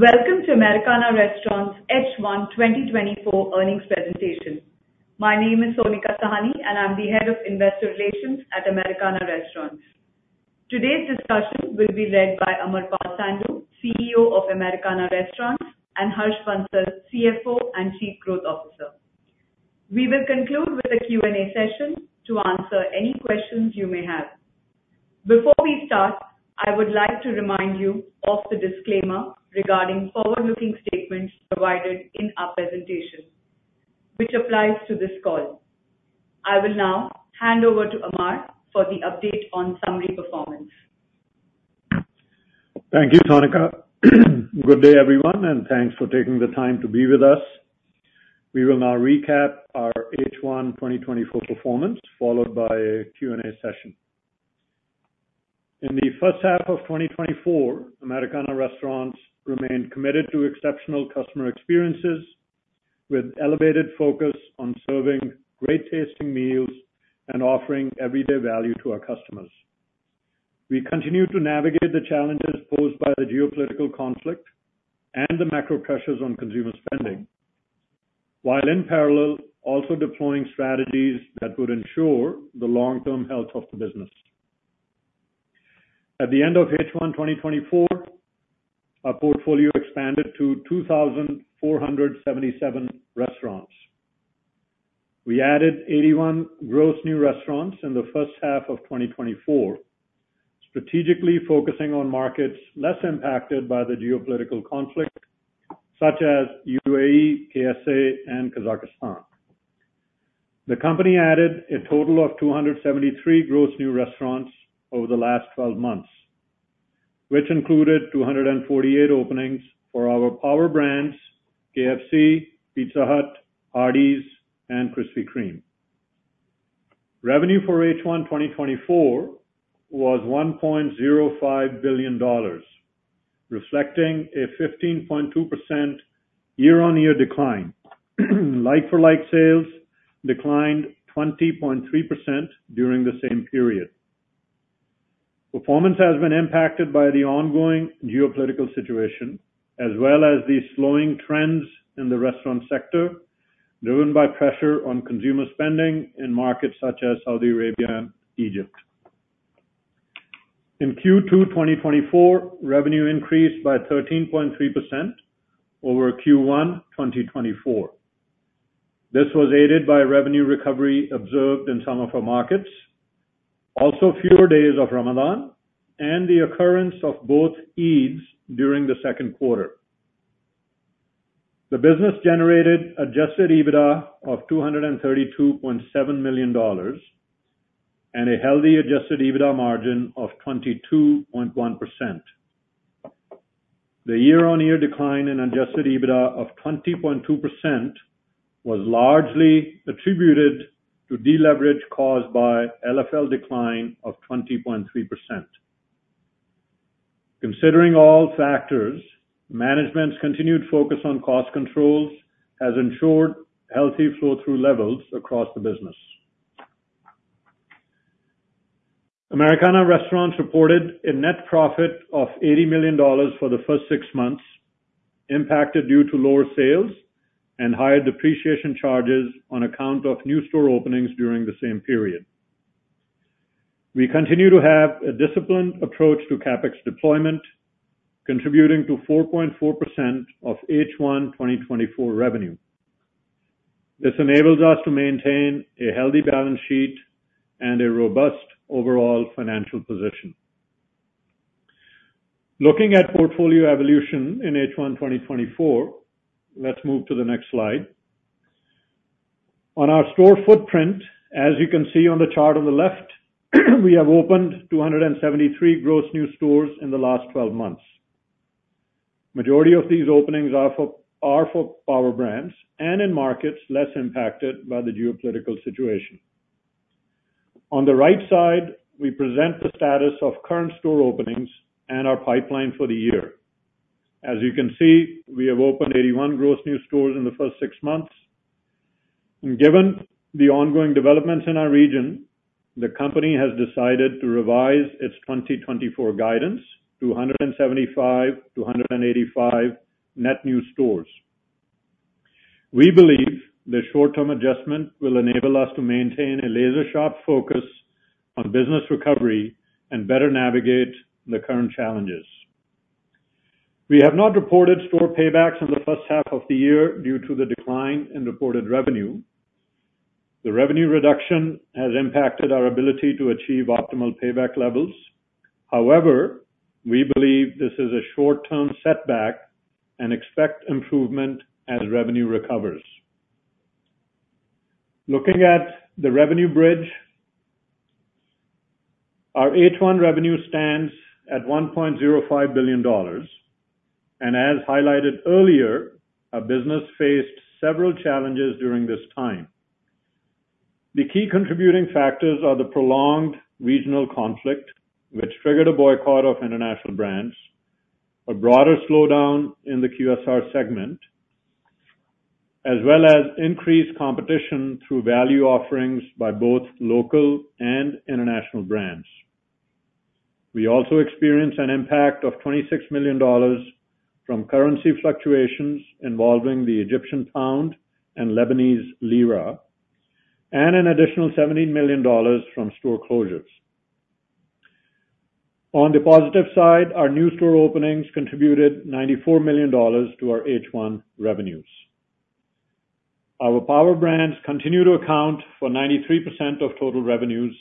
Welcome to Americana Restaurants' H1 2024 earnings presentation. My name is Sonika Sahni, and I'm the Head of Investor Relations at Americana Restaurants. Today's discussion will be led by Amarpal Sandhu, CEO of Americana Restaurants, and Harsh Bansal, CFO and Chief Growth Officer. We will conclude with a Q&A session to answer any questions you may have. Before we start, I would like to remind you of the disclaimer regarding forward-looking statements provided in our presentation, which applies to this call. I will now hand over to Amar for the update on summary performance. Thank you, Sonika. Good day, everyone, and thanks for taking the time to be with us. We will now recap our H1 2024 performance, followed by a Q&A session. In the first half of 2024, Americana Restaurants remained committed to exceptional customer experiences, with elevated focus on serving great-tasting meals and offering everyday value to our customers. We continue to navigate the challenges posed by the geopolitical conflict and the macro pressures on consumer spending, while in parallel, also deploying strategies that would ensure the long-term health of the business. At the end of H1 2024, our portfolio expanded to 2,477 restaurants. We added 81 gross new restaurants in the first half of 2024, strategically focusing on markets less impacted by the geopolitical conflict, such as UAE, KSA, and Kazakhstan. The company added a total of 273 gross new restaurants over the last twelve months, which included 248 openings for our power brands, KFC, Pizza Hut, Hardee's, and Krispy Kreme. Revenue for H1 2024 was $1.05 billion, reflecting a 15.2% year-on-year decline. Like-for-like sales declined 20.3% during the same period. Performance has been impacted by the ongoing geopolitical situation, as well as the slowing trends in the restaurant sector, driven by pressure on consumer spending in markets such as Saudi Arabia and Egypt. In Q2 2024, revenue increased by 13.3% over Q1 2024. This was aided by revenue recovery observed in some of our markets, also fewer days of Ramadan, and the occurrence of both Eids during the second quarter. The business generated adjusted EBITDA of $232.7 million, and a healthy adjusted EBITDA margin of 22.1%. The year-on-year decline in adjusted EBITDA of 20.2% was largely attributed to deleverage caused by LFL decline of 20.3%. Considering all factors, management's continued focus on cost controls has ensured healthy flow-through levels across the business. Americana Restaurants reported a net profit of $80 million for the first six months, impacted due to lower sales and higher depreciation charges on account of new store openings during the same period. We continue to have a disciplined approach to CapEx deployment, contributing to 4.4% of H1 2024 revenue. This enables us to maintain a healthy balance sheet and a robust overall financial position. Looking at portfolio evolution in H1 2024, let's move to the next slide. On our store footprint, as you can see on the chart on the left, we have opened 273 gross new stores in the last 12 months. Majority of these openings are for power brands and in markets less impacted by the geopolitical situation. On the right side, we present the status of current store openings and our pipeline for the year. As you can see, we have opened 81 gross new stores in the first 6 months. And given the ongoing developments in our region, the company has decided to revise its 2024 guidance to 175-185 net new stores. We believe the short-term adjustment will enable us to maintain a laser-sharp focus on business recovery and better navigate the current challenges. We have not reported store paybacks in the first half of the year due to the decline in reported revenue. The revenue reduction has impacted our ability to achieve optimal payback levels. However, we believe this is a short-term setback and expect improvement as revenue recovers. Looking at the revenue bridge, our H1 revenue stands at $1.05 billion, and as highlighted earlier, our business faced several challenges during this time. The key contributing factors are the prolonged regional conflict, which triggered a boycott of international brands, a broader slowdown in the QSR segment as well as increased competition through value offerings by both local and international brands. We also experienced an impact of $26 million from currency fluctuations involving the Egyptian pound and Lebanese lira, and an additional $17 million from store closures. On the positive side, our new store openings contributed $94 million to our H1 revenues. Our power brands continue to account for 93% of total revenues.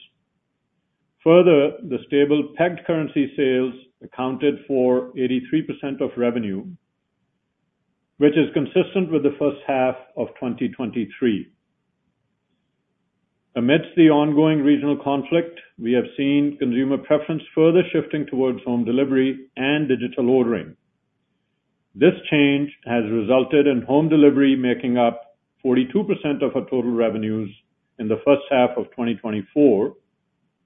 Further, the stable pegged currency sales accounted for 83% of revenue, which is consistent with the first half of 2023. Amidst the ongoing regional conflict, we have seen consumer preference further shifting towards home delivery and digital ordering. This change has resulted in home delivery making up 42% of our total revenues in the first half of 2024,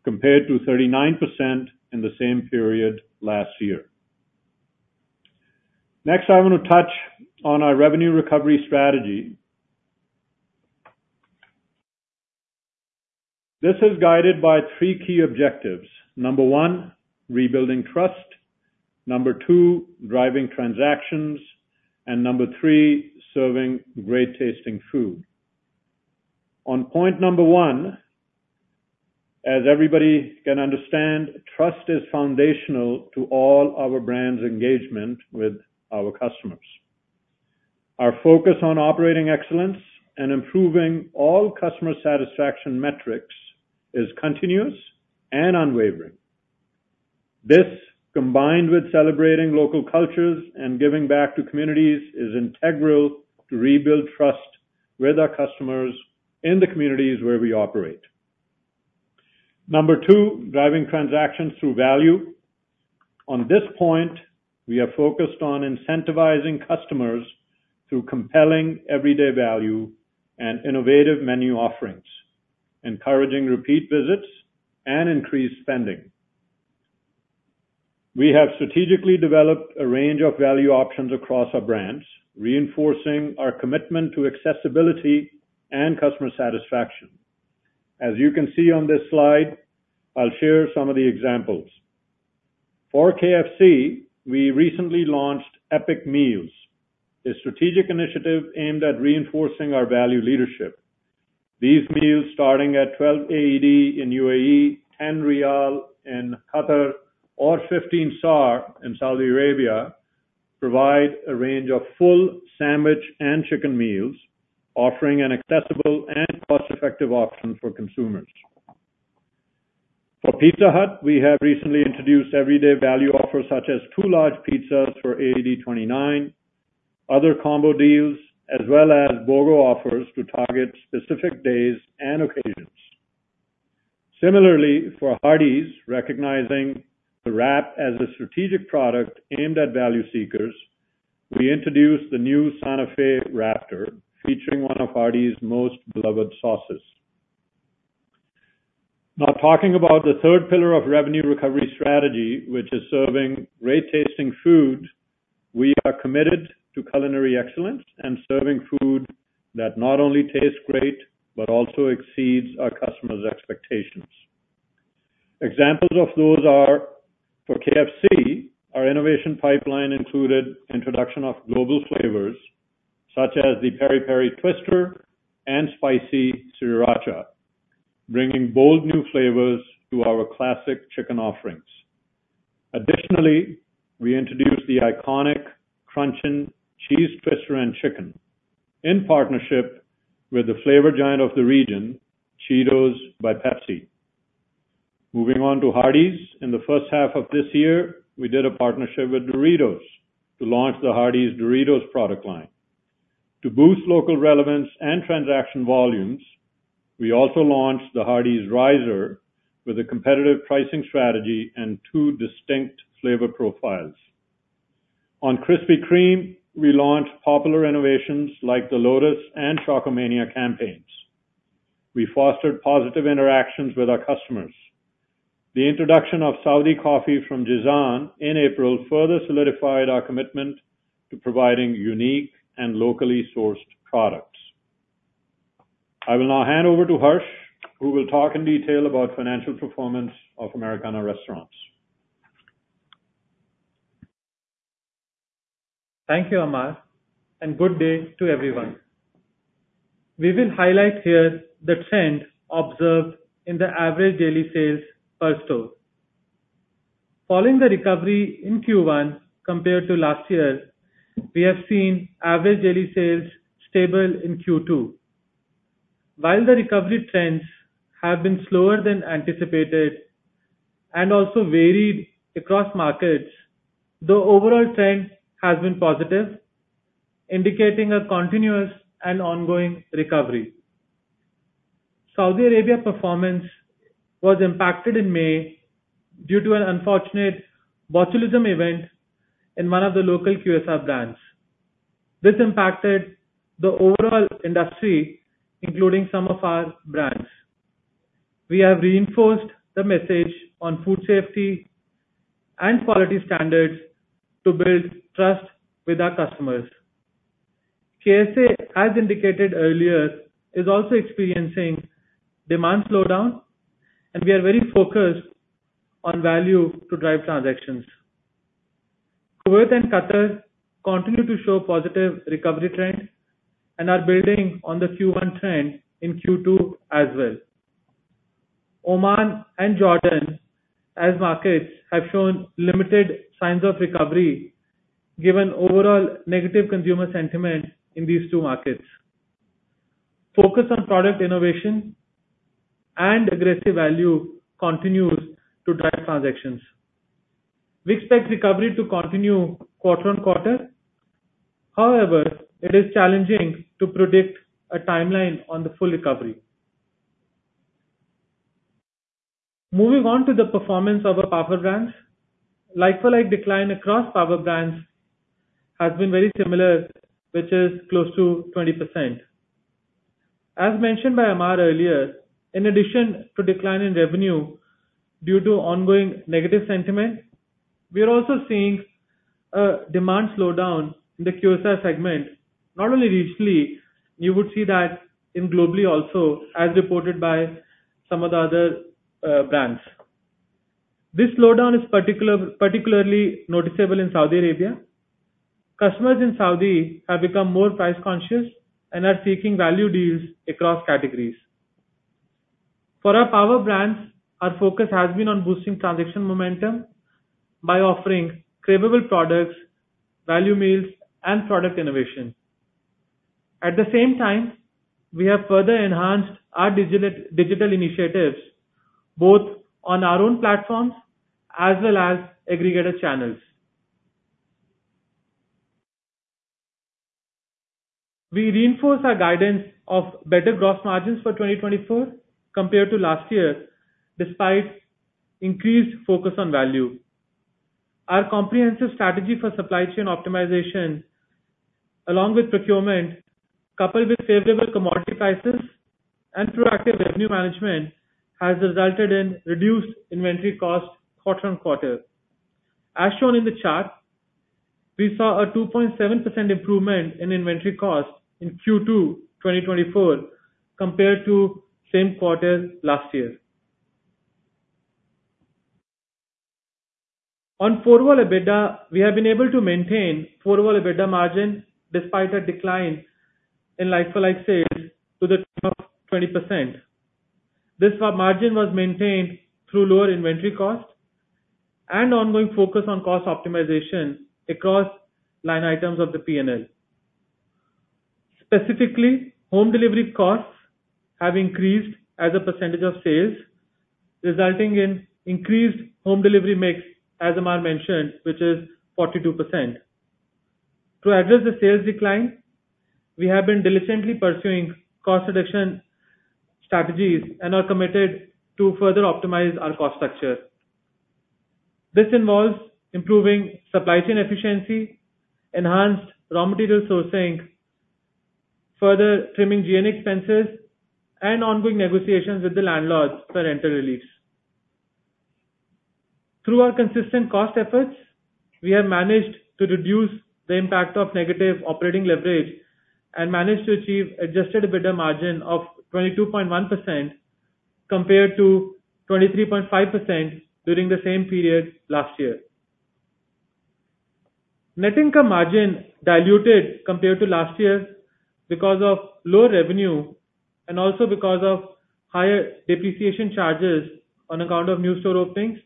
compared to 39% in the same period last year. Next, I want to touch on our revenue recovery strategy. This is guided by three key objectives: number 1, rebuilding trust, number 2, driving transactions, and number 3, serving great-tasting food. On point number 1, as everybody can understand, trust is foundational to all our brands' engagement with our customers. Our focus on operating excellence and improving all customer satisfaction metrics is continuous and unwavering. This, combined with celebrating local cultures and giving back to communities, is integral to rebuild trust with our customers in the communities where we operate. Number two, driving transactions through value. On this point, we are focused on incentivizing customers through compelling everyday value and innovative menu offerings, encouraging repeat visits and increased spending. We have strategically developed a range of value options across our brands, reinforcing our commitment to accessibility and customer satisfaction. As you can see on this slide, I'll share some of the examples. For KFC, we recently launched Epic Meals, a strategic initiative aimed at reinforcing our value leadership. These meals, starting at 12 AED in UAE, 10 riyal in Qatar, or 15 SAR in Saudi Arabia, provide a range of full sandwich and chicken meals, offering an accessible and cost-effective option for consumers. For Pizza Hut, we have recently introduced everyday value offers, such as two large pizzas for 29 AED, other combo deals, as well as BOGO offers to target specific days and occasions. Similarly, for Hardee's, recognizing the wrap as a strategic product aimed at value seekers, we introduced the new Santa Fe Wraptor, featuring one of Hardee's most beloved sauces. Now, talking about the third pillar of revenue recovery strategy, which is serving great-tasting food, we are committed to culinary excellence and serving food that not only tastes great, but also exceeds our customers' expectations. Examples of those are, for KFC, our innovation pipeline included introduction of global flavors, such as the Peri-Peri Twister and Spicy Sriracha, bringing bold new flavors to our classic chicken offerings. Additionally, we introduced the iconic Crunch'n Cheese Twister and Chicken, in partnership with the flavor giant of the region, Cheetos by Pepsi. Moving on to Hardee's. In the first half of this year, we did a partnership with Doritos to launch the Hardee's Doritos product line. To boost local relevance and transaction volumes, we also launched the Hardee's Riser with a competitive pricing strategy and two distinct flavor profiles. On Krispy Kreme, we launched popular innovations like the Lotus and Chocolate Mania campaigns. We fostered positive interactions with our customers. The introduction of Saudi coffee from Jizan in April, further solidified our commitment to providing unique and locally sourced products. I will now hand over to Harsh, who will talk in detail about financial performance of Americana Restaurants. Thank you, Amar, and good day to everyone. We will highlight here the trend observed in the average daily sales per store. Following the recovery in Q1 compared to last year, we have seen average daily sales stable in Q2. While the recovery trends have been slower than anticipated and also varied across markets, the overall trend has been positive, indicating a continuous and ongoing recovery. Saudi Arabia performance was impacted in May due to an unfortunate botulism event in one of the local QSR brands. This impacted the overall industry, including some of our brands. We have reinforced the message on food safety and quality standards to build trust with our customers. KSA, as indicated earlier, is also experiencing demand slowdown, and we are very focused on value to drive transactions. Kuwait and Qatar continue to show positive recovery trends and are building on the Q1 trend in Q2 as well. Oman and Jordan, as markets, have shown limited signs of recovery, given overall negative consumer sentiment in these two markets. Focus on product innovation and aggressive value continues to drive transactions. We expect recovery to continue quarter on quarter. However, it is challenging to predict a timeline on the full recovery. Moving on to the performance of our power brands. Like-for-like decline across power brands has been very similar, which is close to 20%. As mentioned by Amar earlier, in addition to decline in revenue due to ongoing negative sentiment, we are also seeing a demand slowdown in the QSR segment, not only regionally, you would see that in globally also, as reported by some of the other brands. This slowdown is particularly noticeable in Saudi Arabia. Customers in Saudi have become more price-conscious and are seeking value deals across categories. For our power brands, our focus has been on boosting transaction momentum by offering cravable products, value meals, and product innovation. At the same time, we have further enhanced our digital initiatives, both on our own platforms as well as aggregator channels. We reinforce our guidance of better gross margins for 2024 compared to last year, despite increased focus on value. Our comprehensive strategy for supply chain optimization, along with procurement, coupled with favorable commodity prices and proactive revenue management, has resulted in reduced inventory costs quarter on quarter. As shown in the chart, we saw a 2.7% improvement in inventory costs in Q2 2024, compared to same quarter last year. On forward EBITDA, we have been able to maintain forward EBITDA margin despite a decline in like-for-like sales to the tune of 20%. This margin was maintained through lower inventory costs and ongoing focus on cost optimization across line items of the P&L. Specifically, home delivery costs have increased as a percentage of sales, resulting in increased home delivery mix, as Amar mentioned, which is 42%. To address the sales decline, we have been diligently pursuing cost reduction strategies and are committed to further optimize our cost structure. This involves improving supply chain efficiency, enhanced raw material sourcing, further trimming GN expenses, and ongoing negotiations with the landlords for rental release. Through our consistent cost efforts, we have managed to reduce the impact of negative operating leverage and managed to achieve adjusted EBITDA margin of 22.1%, compared to 23.5% during the same period last year. Net income margin diluted compared to last year because of lower revenue and also because of higher depreciation charges on account of new store openings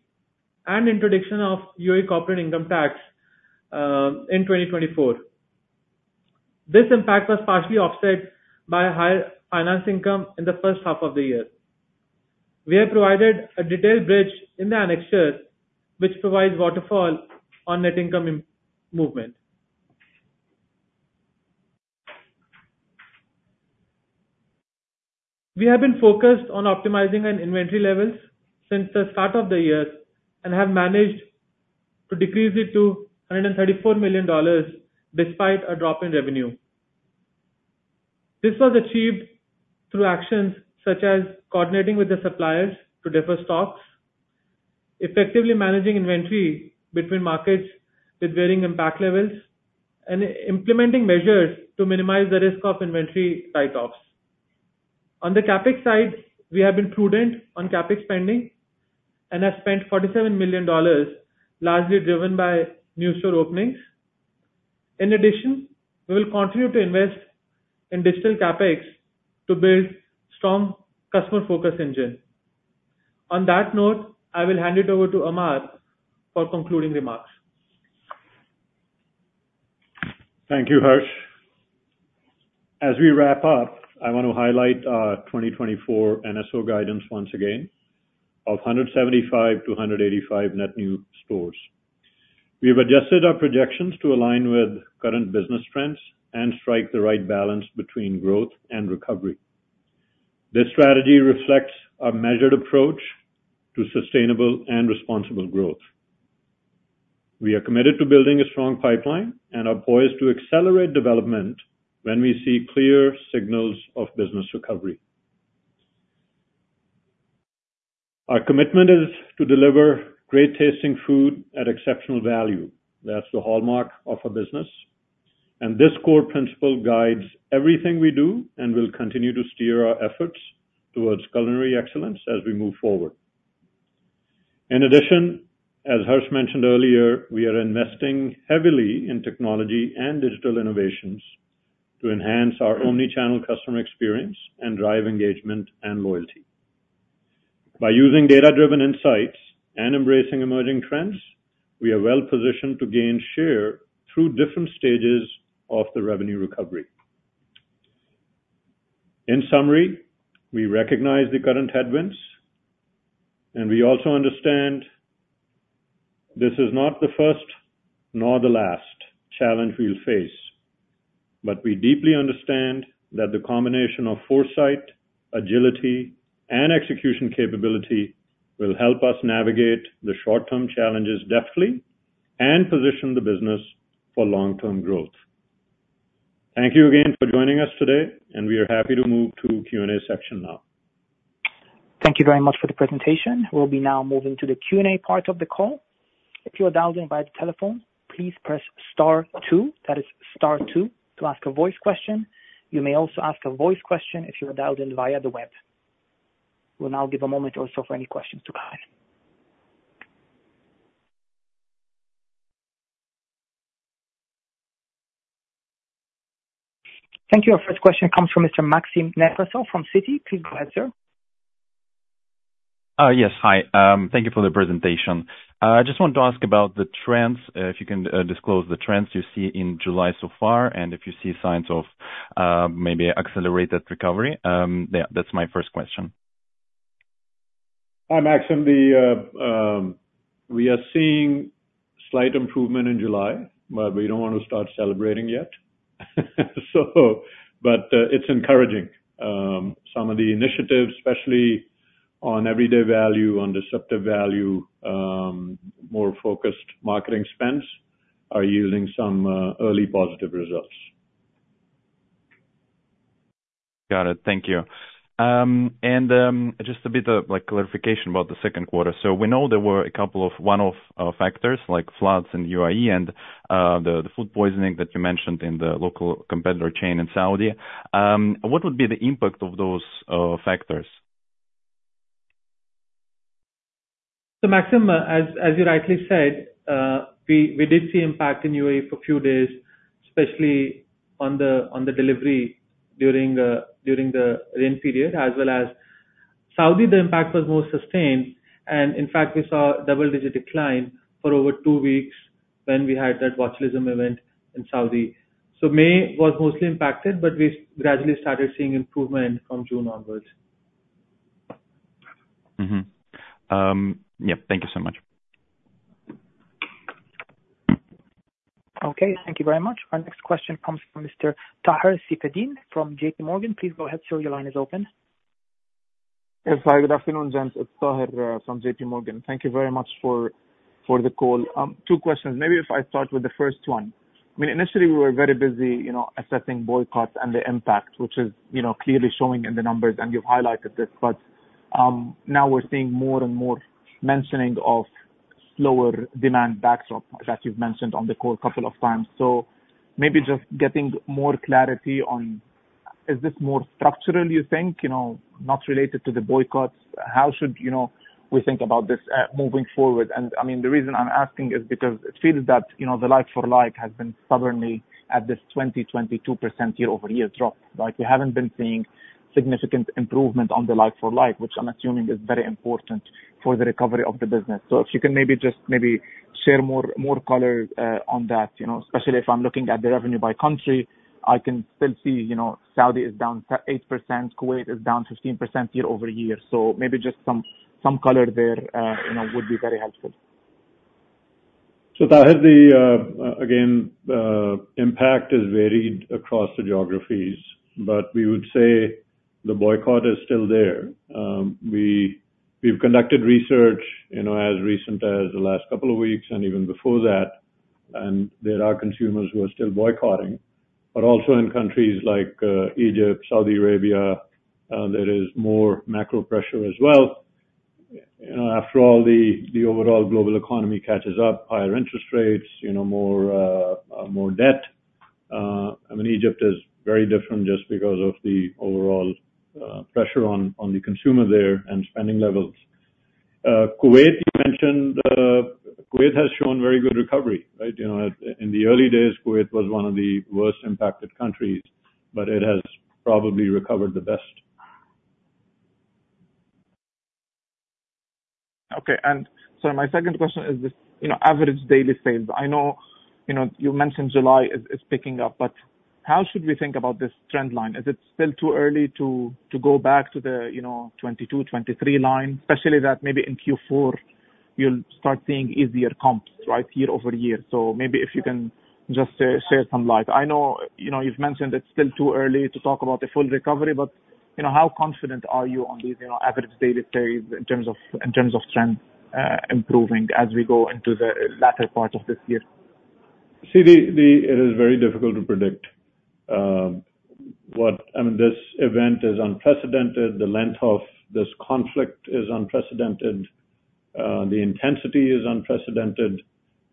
and introduction of UAE corporate income tax in 2024. This impact was partially offset by higher finance income in the first half of the year. We have provided a detailed bridge in the annexures, which provides waterfall on net income in movement. We have been focused on optimizing our inventory levels since the start of the year and have managed to decrease it to $134 million, despite a drop in revenue. This was achieved through actions such as coordinating with the suppliers to defer stocks, effectively managing inventory between markets with varying impact levels, and implementing measures to minimize the risk of inventory write-offs. On the CapEx side, we have been prudent on CapEx spending and have spent $47 million, largely driven by new store openings. In addition, we will continue to invest in digital CapEx to build strong customer focus engine. On that note, I will hand it over to Amar for concluding remarks. Thank you, Harsh. As we wrap up, I want to highlight our 2024 NSO guidance once again, of 175-185 net new stores. We've adjusted our projections to align with current business trends and strike the right balance between growth and recovery. This strategy reflects our measured approach to sustainable and responsible growth.... We are committed to building a strong pipeline and are poised to accelerate development when we see clear signals of business recovery. Our commitment is to deliver great-tasting food at exceptional value. That's the hallmark of our business, and this core principle guides everything we do, and will continue to steer our efforts towards culinary excellence as we move forward. In addition, as Harsh mentioned earlier, we are investing heavily in technology and digital innovations to enhance our Omni-channel customer experience and drive engagement and loyalty. By using data-driven insights and embracing emerging trends, we are well positioned to gain share through different stages of the revenue recovery. In summary, we recognize the current headwinds, and we also understand this is not the first nor the last challenge we'll face. But we deeply understand that the combination of foresight, agility, and execution capability will help us navigate the short-term challenges deftly and position the business for long-term growth. Thank you again for joining us today, and we are happy to move to Q&A section now. Thank you very much for the presentation. We'll be now moving to the Q&A part of the call. If you are dialed in by the telephone, please press star two, that is star two to ask a voice question. You may also ask a voice question if you are dialed in via the web. We'll now give a moment also for any questions to come in. Thank you. Our first question comes from Mr. Maxim Nekrasov from Citi. Please go ahead, sir. Yes. Hi. Thank you for the presentation. I just wanted to ask about the trends, if you can disclose the trends you see in July so far, and if you see signs of maybe accelerated recovery? Yeah, that's my first question. Hi, Maxim. We are seeing slight improvement in July, but we don't want to start celebrating yet. But, it's encouraging. Some of the initiatives, especially on everyday value, on disruptive value, more focused marketing spends, are yielding some early positive results. Got it. Thank you. And just a bit of, like, clarification about the second quarter. So we know there were a couple of one-off factors like floods in UAE and the food poisoning that you mentioned in the local competitor chain in Saudi. What would be the impact of those factors? So, Maxim, as, as you rightly said, we, we did see impact in UAE for a few days, especially on the, on the delivery during during the rain period. As well as Saudi, the impact was more sustained, and in fact, we saw a double-digit decline for over two weeks when we had that botulism event in Saudi. So May was mostly impacted, but we gradually started seeing improvement from June onwards. Yeah, thank you so much. Okay, thank you very much. Our next question comes from Mr. Taher Safieddine from J.P. Morgan. Please go ahead, sir, your line is open. Yes, hi. Good afternoon, gents. It's Taher from J.P. Morgan. Thank you very much for the call. Two questions. Maybe if I start with the first one. I mean, initially, we were very busy, you know, assessing boycotts and the impact, which is, you know, clearly showing in the numbers, and you've highlighted this. But now we're seeing more and more mentioning of slower demand backdrop that you've mentioned on the call a couple of times. So maybe just getting more clarity on, is this more structural, you think, you know, not related to the boycotts? How should, you know, we think about this moving forward? And, I mean, the reason I'm asking is because it feels that, you know, the like-for-like has been stubbornly at this 22% year-over-year drop. Like, we haven't been seeing significant improvement on the like-for-like, which I'm assuming is very important for the recovery of the business. So if you can maybe just maybe share more, more color on that, you know, especially if I'm looking at the revenue by country, I can still see, you know, Saudi is down 8%, Kuwait is down 15% year-over-year. So maybe just some, some color there, you know, would be very helpful. So Taher, the again, impact is varied across the geographies, but we would say the boycott is still there. We, we've conducted research, you know, as recent as the last couple of weeks and even before that, and there are consumers who are still boycotting. But also in countries like, Egypt, Saudi Arabia, there is more macro pressure as well. After all, the overall global economy catches up, higher interest rates, you know, more debt. I mean, Egypt is very different just because of the overall pressure on the consumer there and spending levels. Kuwait, you mentioned, Kuwait has shown very good recovery, right? You know, in the early days, Kuwait was one of the worst impacted countries, but it has probably recovered the best. Okay. And so my second question is this, you know, average daily sales. I know, you know, you mentioned July is picking up, but how should we think about this trend line? Is it still too early to go back to the, you know, 2022, 2023 line, especially that maybe in Q4 you'll start seeing easier comps, right, year over year? So maybe if you can just shed some light. I know, you know, you've mentioned it's still too early to talk about the full recovery, but... You know, how confident are you on these, you know, average daily carries in terms of, in terms of trend improving as we go into the latter part of this year? See, it is very difficult to predict. I mean, this event is unprecedented. The length of this conflict is unprecedented. The intensity is unprecedented,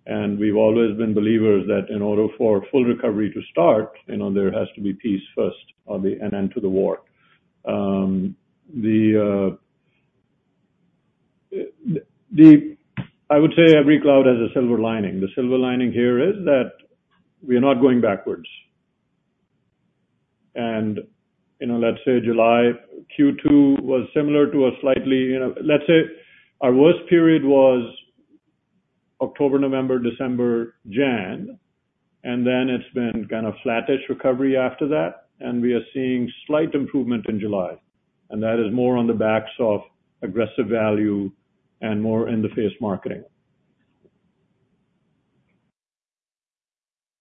and we've always been believers that in order for full recovery to start, you know, there has to be peace first and an end to the war. I would say every cloud has a silver lining. The silver lining here is that we are not going backwards. And, you know, let's say July, Q2 was similar to a slightly, you know. Let's say our worst period was October, November, December, Jan, and then it's been kind of flattish recovery after that, and we are seeing slight improvement in July. And that is more on the backs of aggressive value and more in-the-face marketing.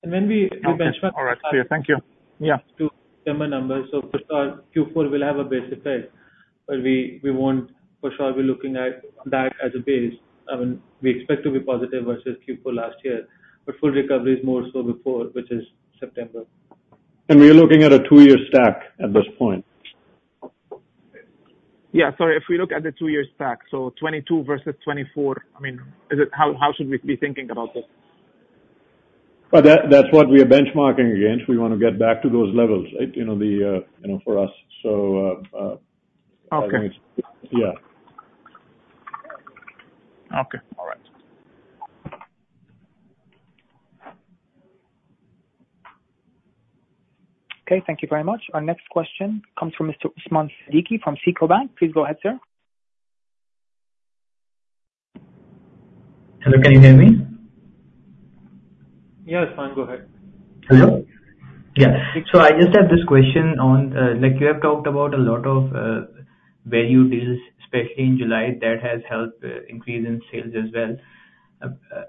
And when we. Okay. All right, see you. Thank you. Yeah. To summarize numbers. So for Q4, we'll have a base effect, but we won't for sure be looking at that as a base. I mean, we expect to be positive versus Q4 last year, but full recovery is more so before, which is September. We are looking at a two-year stack at this point. Yeah. So if we look at the two years stack, so 2022 versus 2024, I mean, is it. How, how should we be thinking about this? Well, that's what we are benchmarking against. We want to get back to those levels, right? You know, you know, for us. So, Okay. Yeah. Okay. All right. Okay, thank you very much. Our next question comes from Mr. Usman Siddiqui from Sico Bank. Please go ahead, sir. Hello, can you hear me? Yeah, Usman, go ahead. Hello? Yeah. So I just have this question on, like, you have talked about a lot of value deals, especially in July, that has helped increase in sales as well.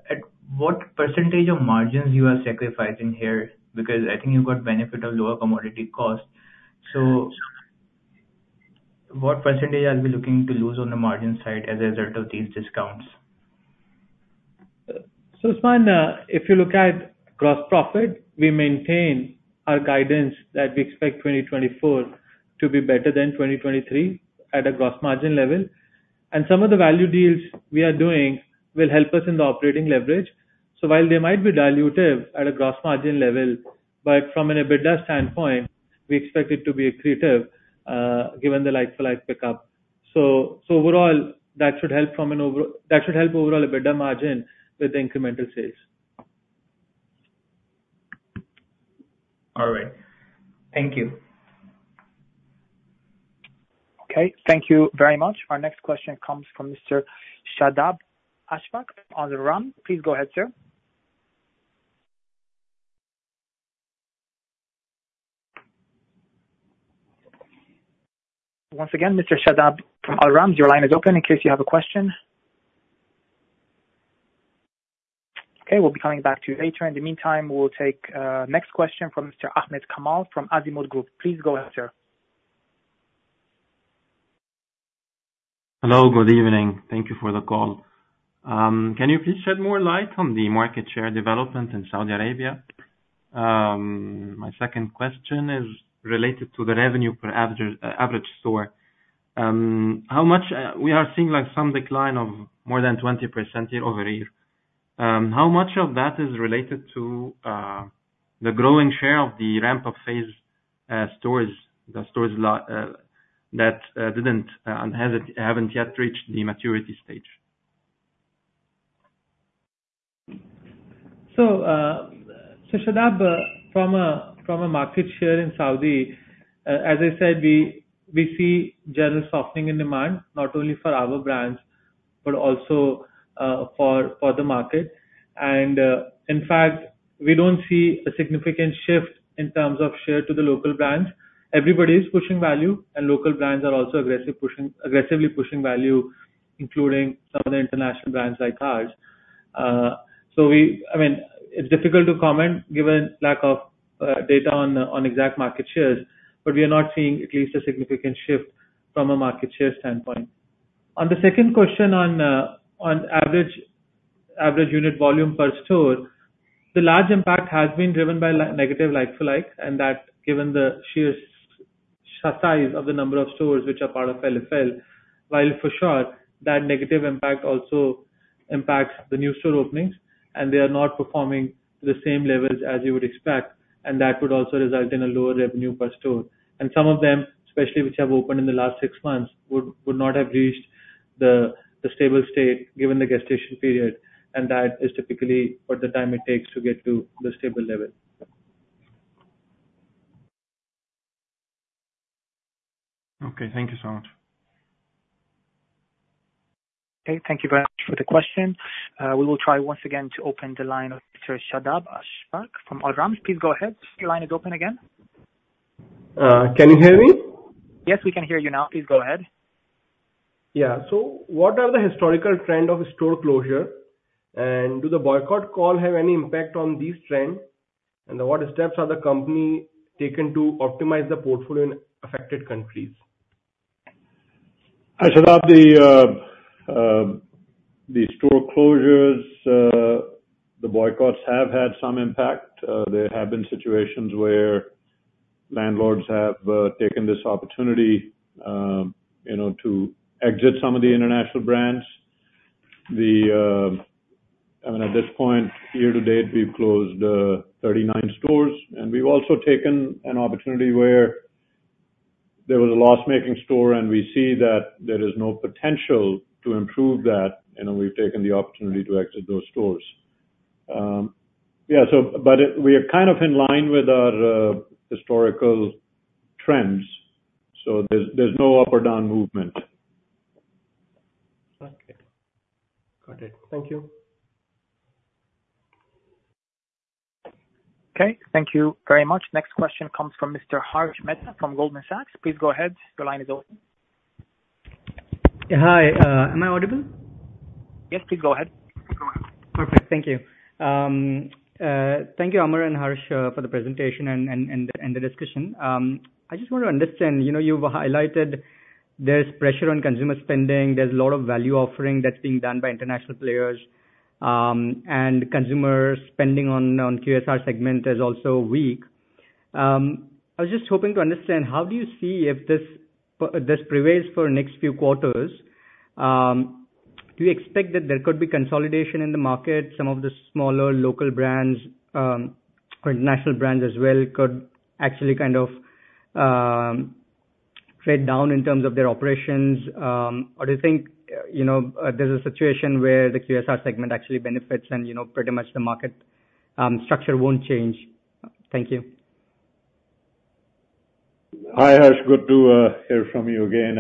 At what percentage of margins you are sacrificing here? Because I think you've got benefit of lower commodity costs. So what percentage are we looking to lose on the margin side as a result of these discounts? So, Usman, if you look at gross profit, we maintain our guidance that we expect 2024 to be better than 2023 at a gross margin level. And some of the value deals we are doing will help us in the operating leverage. So while they might be dilutive at a gross margin level, but from an EBITDA standpoint, we expect it to be accretive, given the like-for-like pickup. So overall, that should help overall EBITDA margin with the incremental sales. All right. Thank you. Okay, thank you very much. Our next question comes from Mr. Shadab Ashfaq on the line. Please go ahead, sir. Once again, Mr. Shadab from Al Ramz, your line is open in case you have a question. Okay, we'll be coming back to you later. In the meantime, we'll take next question from Mr. Ahmed Kamal from Audi Capital. Please go ahead, sir. Hello, good evening. Thank you for the call. Can you please shed more light on the market share development in Saudi Arabia? My second question is related to the revenue per average store. How much we are seeing, like, some decline of more than 20% year-over-year. How much of that is related to the growing share of the ramp-up phase stores, the stores that haven't yet reached the maturity stage? So, Shadab, from a market share in Saudi, as I said, we see general softening in demand, not only for our brands, but also for the market. And, in fact, we don't see a significant shift in terms of share to the local brands. Everybody is pushing value, and local brands are also aggressively pushing value, including some of the international brands like ours. So we—I mean, it's difficult to comment, given lack of data on exact market shares, but we are not seeing at least a significant shift from a market share standpoint. On the second question on average unit volume per store, the large impact has been driven by negative like-for-like, and that given the sheer size of the number of stores which are part of LFL, while for sure, that negative impact also impacts the new store openings, and they are not performing to the same levels as you would expect, and that would also result in a lower revenue per store. Some of them, especially which have opened in the last six months, would not have reached the stable state, given the gestation period, and that is typically what the time it takes to get to the stable level. Okay, thank you so much. Okay, thank you very much for the question. We will try once again to open the line of Mr. Shadab Ashfaq from Alram. Please go ahead. Your line is open again. Can you hear me? Yes, we can hear you now. Please go ahead. Yeah. So what are the historical trend of store closure, and do the boycott call have any impact on this trend? And what steps are the company taken to optimize the portfolio in affected countries? Hi, Sarab, the store closures, the boycotts have had some impact. There have been situations where landlords have taken this opportunity, you know, to exit some of the international brands. I mean, at this point, year to date, we've closed 39 stores, and we've also taken an opportunity where there was a loss-making store, and we see that there is no potential to improve that, and we've taken the opportunity to exit those stores. Yeah, so but it, we are kind of in line with our historical trends, so there's no up or down movement. Okay. Got it. Thank you. Okay, thank you very much. Next question comes from Mr. Harsh Mehta from Goldman Sachs. Please go ahead. Your line is open. Hi, am I audible? Yes, please go ahead. Perfect. Thank you. Thank you, Amar and Harsh, for the presentation and the discussion. I just want to understand, you know, you've highlighted there's pressure on consumer spending, there's a lot of value offering that's being done by international players, and consumer spending on the QSR segment is also weak. I was just hoping to understand, how do you see if this prevails for next few quarters, do you expect that there could be consolidation in the market, some of the smaller local brands, or national brands as well, could actually kind of trade down in terms of their operations? Or do you think, you know, there's a situation where the QSR segment actually benefits and, you know, pretty much the market structure won't change? Thank you. Hi, Harsh. Good to hear from you again.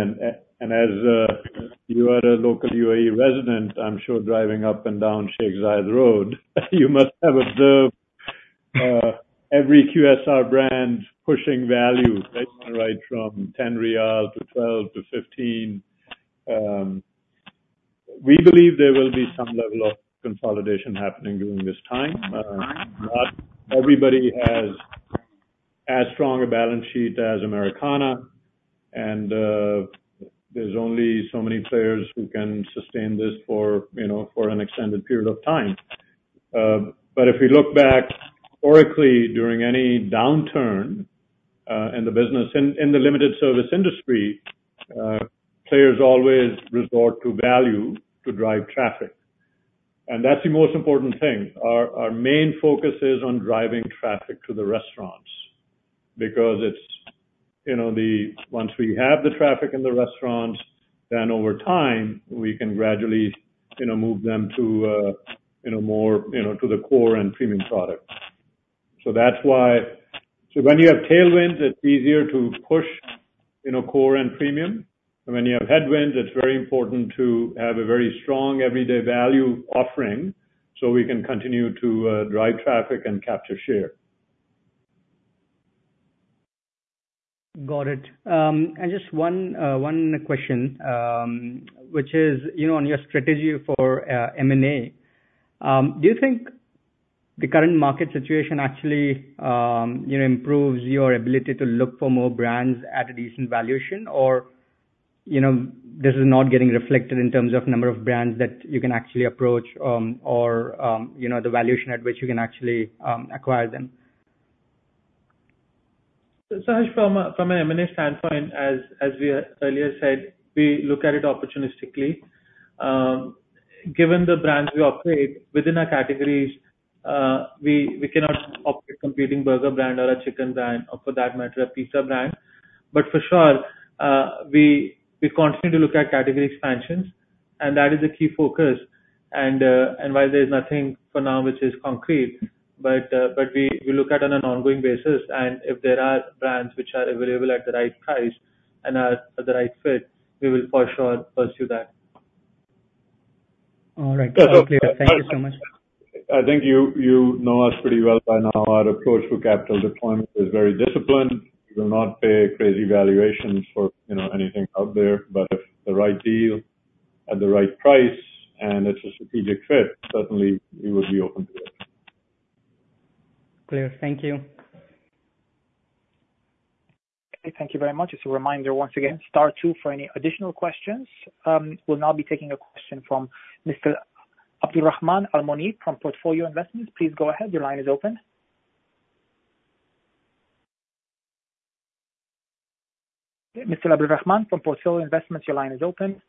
As you are a local UAE resident, I'm sure driving up and down Sheikh Zayed Road, you must have observed every QSR brand pushing value right from AED 10 to 12 to 15. We believe there will be some level of consolidation happening during this time. Not everybody has as strong a balance sheet as Americana, and there's only so many players who can sustain this for, you know, for an extended period of time. If you look back historically, during any downturn in the business, in the limited service industry, players always resort to value to drive traffic. That's the most important thing. Our main focus is on driving traffic to the restaurants because it's, you know, the once we have the traffic in the restaurants, then over time, we can gradually, you know, move them to, you know, more, you know, to the core and premium products. So that's why. So when you have tailwinds, it's easier to push, you know, core and premium. And when you have headwinds, it's very important to have a very strong everyday value offering, so we can continue to drive traffic and capture share. Got it. Just one question, which is, you know, on your strategy for M&A, do you think the current market situation actually, you know, improves your ability to look for more brands at a decent valuation? Or, you know, this is not getting reflected in terms of number of brands that you can actually approach, or, you know, the valuation at which you can actually acquire them? So Harsh, from an M&A standpoint, as we earlier said, we look at it opportunistically. Given the brands we operate within our categories, we cannot operate competing burger brand or a chicken brand, or for that matter, a pizza brand. But for sure, we continue to look at category expansions, and that is a key focus. While there is nothing for now which is concrete, but we look at it on an ongoing basis, and if there are brands which are available at the right price and are the right fit, we will for sure pursue that. All right. Thank you so much. I think you, you know us pretty well by now. Our approach to capital deployment is very disciplined. We will not pay crazy valuations for, you know, anything out there, but if the right deal, at the right price and it's a strategic fit, certainly we would be open to it. Clear. Thank you. Okay, thank you very much. Just a reminder, once again, star two for any additional questions. We'll now be taking a question from Mr. Abdulrahman Al-Monif from Portfolio Investments. Please go ahead. Your line is open. Mr. Abdulrahman from Portfolio Investments, your line is open.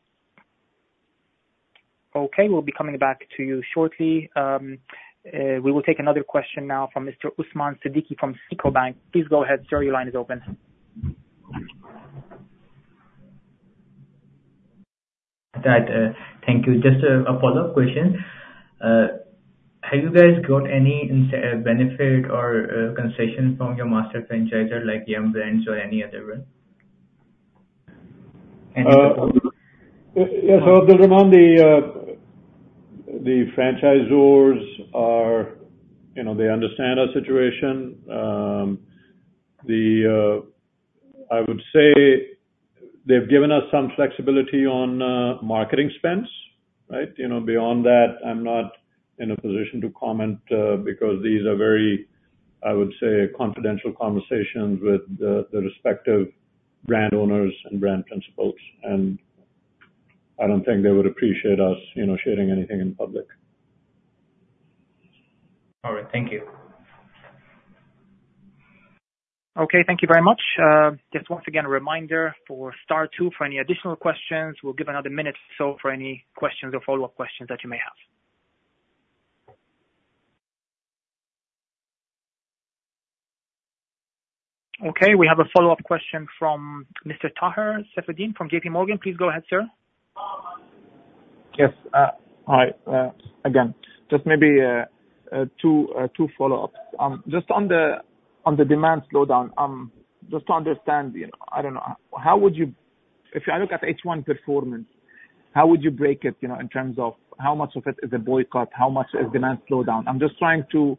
Okay, we'll be coming back to you shortly. We will take another question now from Mr. Usman Siddiqui from SICO Bank. Please go ahead, sir. Your line is open. Thank you. Just a follow-up question. Have you guys got any benefit or concession from your master franchisor, like Yum Brands or any other one? Yes, Abdulrahman, the franchisors are, you know, they understand our situation. I would say they've given us some flexibility on marketing spends, right? You know, beyond that, I'm not in a position to comment, because these are very, I would say, confidential conversations with the respective brand owners and brand principals. And I don't think they would appreciate us, you know, sharing anything in public. All right. Thank you. Okay, thank you very much. Just once again, a reminder for star two for any additional questions. We'll give another minute or so for any questions or follow-up questions that you may have. Okay, we have a follow-up question from Mr. Taher Seifedin from J.P. Morgan. Please go ahead, sir. Yes. Hi, again. Just maybe two follow-ups. Just on the demand slowdown, just to understand, you know, I don't know, how would you—if I look at H1 performance, how would you break it, you know, in terms of how much of it is a boycott? How much is demand slowdown? I'm just trying to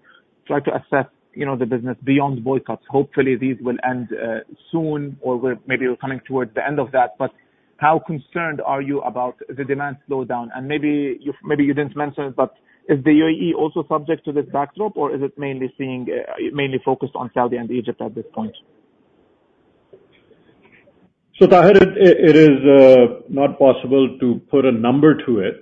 assess, you know, the business beyond boycotts. Hopefully, these will end soon or we're maybe coming towards the end of that. But how concerned are you about the demand slowdown? And maybe you didn't mention it, but is the UAE also subject to this backdrop, or is it mainly seeing, mainly focused on Saudi and Egypt at this point? So Taher, it is not possible to put a number to it.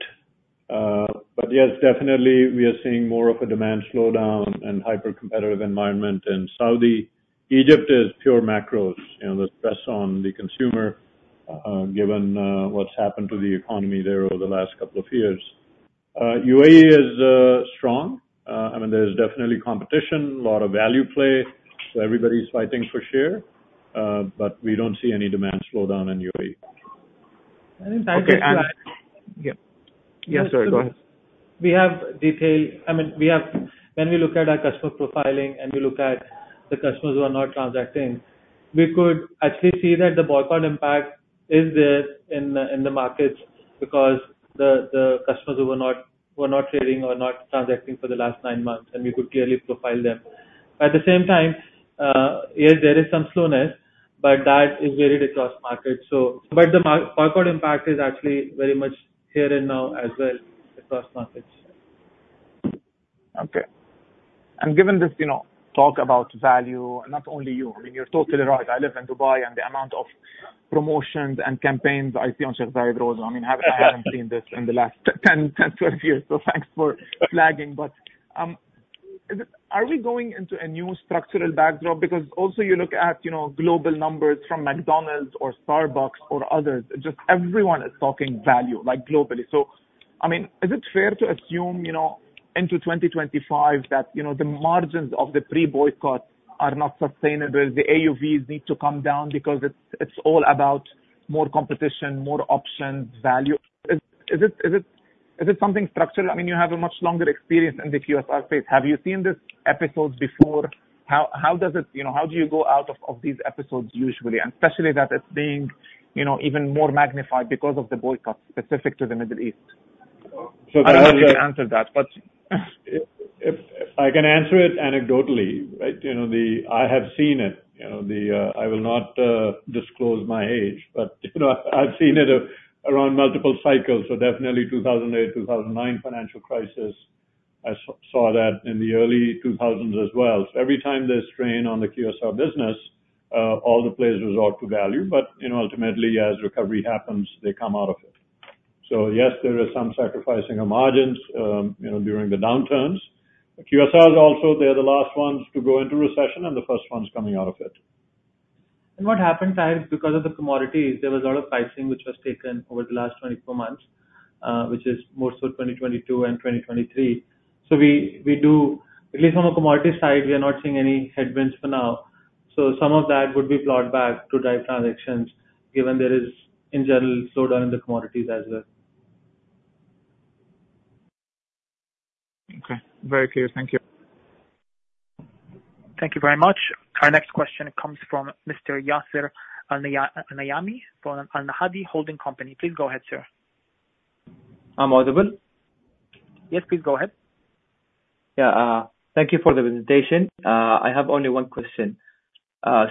But yes, definitely we are seeing more of a demand slowdown and hypercompetitive environment in Saudi. Egypt is pure macros, you know, the stress on the consumer, given what's happened to the economy there over the last couple of years. UAE is strong. I mean, there's definitely competition, a lot of value play, so everybody's fighting for share. But we don't see any demand slowdown in UAE. Okay, and. Yeah. Yes, sorry, go ahead. We have detail. I mean, we have when we look at our customer profiling and we look at the customers who are not transacting, we could actually see that the boycott impact is there in the markets because the customers who were not trading or not transacting for the last nine months, and we could clearly profile them. At the same time, yes, there is some slowness, but that is varied across markets. But the boycott impact is actually very much here and now as well across markets. Okay. And given this, you know, talk about value, and not only you, I mean, you're totally right. I live in Dubai, and the amount of promotions and campaigns I see on Sheikh Zayed Road, I mean, I haven't seen this in the last 10, 10, 12 years, so thanks for flagging. But, is it? Are we going into a new structural backdrop? Because also you look at, you know, global numbers from McDonald's or Starbucks or others, just everyone is talking value, like, globally. So, I mean, is it fair to assume, you know, into 2025 that, you know, the margins of the pre-boycott are not sustainable, the AUVs need to come down because it's, it's all about more competition, more options, value? Is, is it, is it, is it something structural? I mean, you have a much longer experience in the QSR space. Have you seen these episodes before? How does it, you know, how do you go out of these episodes usually, and especially that it's being, you know, even more magnified because of the boycott specific to the Middle East? I don't know if you answered that, but. If I can answer it anecdotally, right. You know, the I have seen it. You know, the, I will not disclose my age, but, you know, I've seen it around multiple cycles, so definitely 2008, 2009 financial crisis. I saw that in the early 2000s as well. So every time there's strain on the QSR business, all the players resort to value. But, you know, ultimately, as recovery happens, they come out of it. So yes, there is some sacrificing of margins, you know, during the downturns. QSRs also, they're the last ones to go into recession and the first ones coming out of it. What happens is, because of the commodities, there was a lot of pricing which was taken over the last 24 months, which is more so 2022 and 2023. So we do. At least on the commodity side, we are not seeing any headwinds for now, so some of that would be plowed back to drive transactions, given there is in general slowdown in the commodities as well. Okay. Very clear. Thank you. Thank you very much. Our next question comes from Mr. Yasir Al-Nayami from Al Nahdi Holding Company. Please go ahead, sir. I'm audible? Yes, please go ahead. Yeah, thank you for the presentation. I have only one question.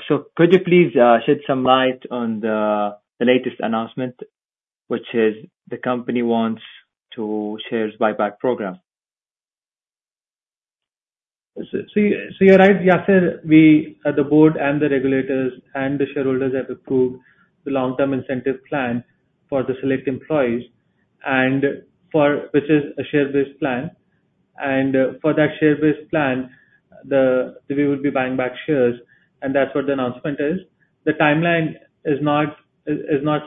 So could you please shed some light on the latest announcement, which is the company wants to shares buyback program? So, you're right, Yasir. We, the board and the regulators and the shareholders have approved the long-term incentive plan for the select employees and for, which is a share-based plan. And, for that share-based plan, we will be buying back shares, and that's what the announcement is. The timeline is not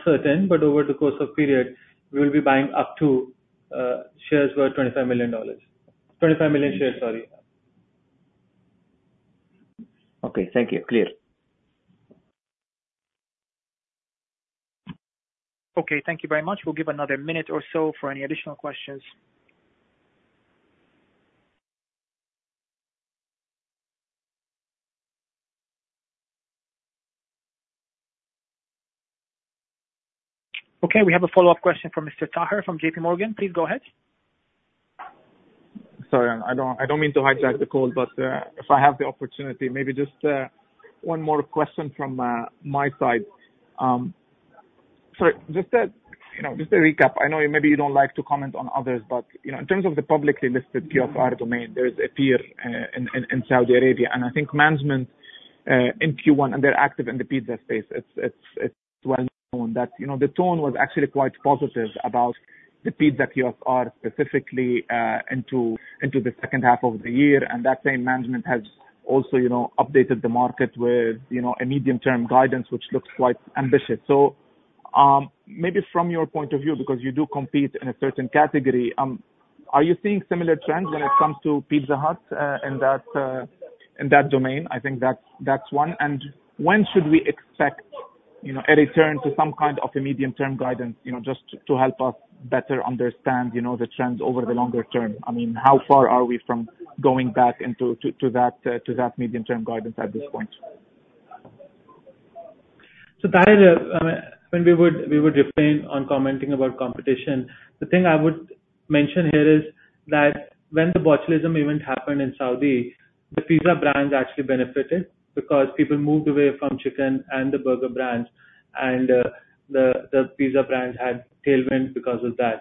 certain, but over the course of period, we will be buying up to shares worth $25 million. 25 million shares, sorry. Okay. Thank you. Clear. Okay, thank you very much. We'll give another minute or so for any additional questions. Okay, we have a follow-up question from Mr. Taher from J.P. Morgan. Please go ahead. Sorry, I don't, I don't mean to hijack the call, but, if I have the opportunity, maybe just, one more question from, my side. So just a, you know, just a recap. I know maybe you don't like to comment on others, but, you know, in terms of the publicly listed QSR domain, there is a peer, in Saudi Arabia, and I think management, in Q1, and they're active in the pizza space. It's well known that, you know, the tone was actually quite positive about the pizza QSR specifically, into the second half of the year. And that same management has also, you know, updated the market with, you know, a medium-term guidance, which looks quite ambitious. So, maybe from your point of view, because you do compete in a certain category, are you seeing similar trends when it comes to Pizza Hut, in that, in that domain? I think that's, that's one. And when should we expect, you know, a return to some kind of a medium-term guidance, you know, just to help us better understand, you know, the trends over the longer term? I mean, how far are we from going back into, to, to that, to that medium-term guidance at this point? So that is a when we would, we would refrain on commenting about competition. The thing I would mention here is that when the botulism event happened in Saudi, the pizza brands actually benefited because people moved away from chicken and the burger brands, and the pizza brands had tailwind because of that.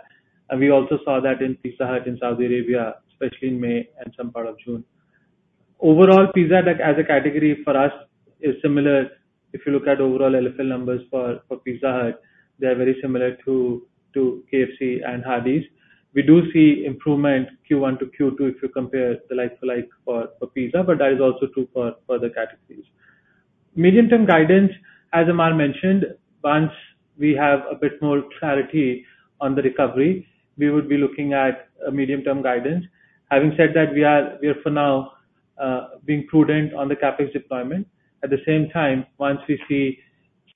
And we also saw that in Pizza Hut in Saudi Arabia, especially in May and some part of June. Overall, pizza like as a category for us is similar if you look at overall LFL numbers for Pizza Hut, they are very similar to KFC and Hardee's. We do see improvement Q1 to Q2 if you compare the like-for-like for pizza, but that is also true for further categories. Medium-term guidance, as Amar mentioned, once we have a bit more clarity on the recovery, we would be looking at a medium-term guidance. Having said that, we are, we are for now, being prudent on the CapEx deployment. At the same time, once we see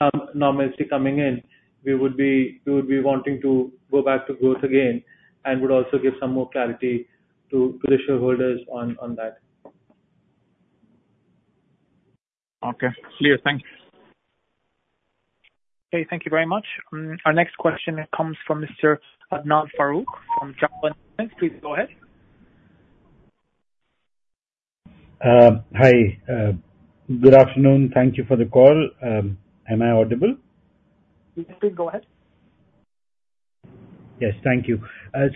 some normalcy coming in, we would be, we would be wanting to go back to growth again and would also give some more clarity to, to the shareholders on, on that. Okay. Clear. Thanks. Okay, thank you very much. Our next question comes from Mr. Adnan Farooq from J.P. Morgan. Please go ahead. Hi. Good afternoon. Thank you for the call. Am I audible? Please go ahead. Yes, thank you.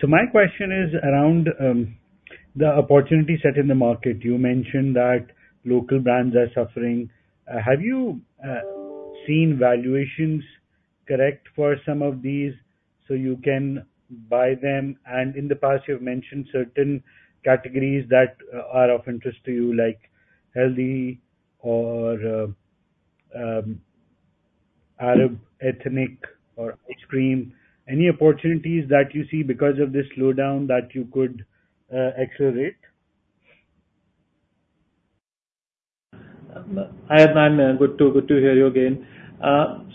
So my question is around the opportunity set in the market. You mentioned that local brands are suffering. Have you seen valuations correct for some of these so you can buy them? And in the past, you've mentioned certain categories that are of interest to you, like healthy or Arab ethnic or ice cream. Any opportunities that you see because of this slowdown that you could accelerate? Hi, Adnan. Good to hear you again.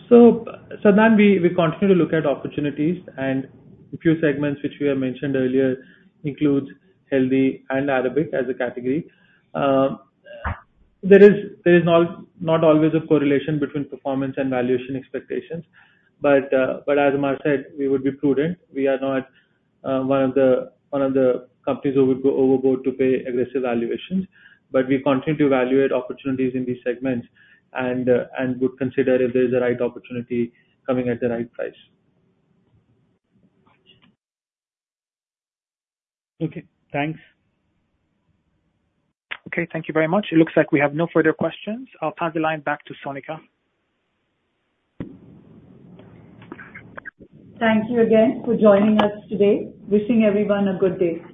So then we continue to look at opportunities, and a few segments which we have mentioned earlier includes healthy and Arabic as a category. There is not always a correlation between performance and valuation expectations, but as Amar said, we would be prudent. We are not one of the companies who would go overboard to pay aggressive valuations. But we continue to evaluate opportunities in these segments and would consider if there's a right opportunity coming at the right price. Okay, thanks. Okay, thank you very much. It looks like we have no further questions. I'll pass the line back to Sonika. Thank you again for joining us today. Wishing everyone a good day.